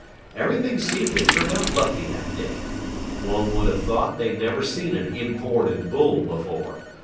Everything seemed to turn out lucky that day. One would have thought they'd never seen an imported bull before.